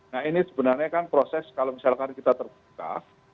nah ini sebenarnya kan proses kalau misalkan kita terbuka